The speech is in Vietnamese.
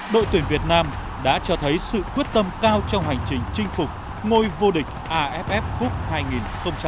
đội tuyển việt nam đã cho thấy sự quyết tâm cao trong hành trình chinh phục ngôi vô địch aff cup hai nghìn một mươi tám